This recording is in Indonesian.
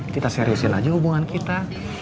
kita seriusin aja hubungan kita